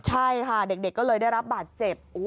ใช่ค่ะเด็กก็เลยได้รับบาดเจ็บ